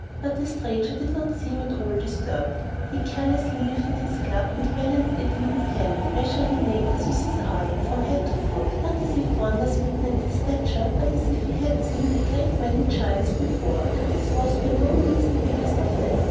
But the stranger did not seem at all disturbed. He carelessly lifted his club, and balanced it in his hand, measuring Antaeus with his eye, from head to foot, not as if wonder smitten at his stature, but as if he had seen a great many Giants before, and this was by no means the biggest of them.